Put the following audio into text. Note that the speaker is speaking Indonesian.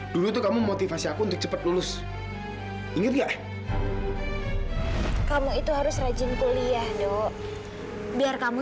dulu tuh kamu motivasi aku untuk cepet lulus inget nggak kamu itu harus rajin kuliah duk biar kamu